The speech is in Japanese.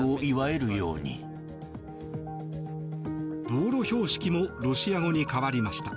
道路標識もロシア語に変わりました。